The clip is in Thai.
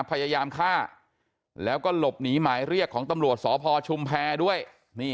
พยายามฆ่าแล้วก็หลบหนีหมายเรียกของตำรวจสพชุมแพรด้วย